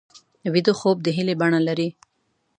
ویده خوب د هیلې بڼه لري